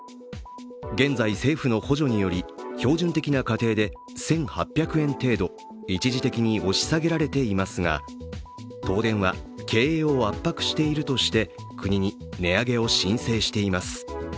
現在、政府の補助により標準的な家庭で１８００円程度一時的に押し下げられていますが、東電は経営を圧迫しているとして、国に値上げを申請しています。